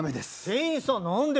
店員さん何で？